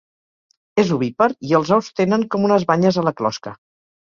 És ovípar i els ous tenen com unes banyes a la closca.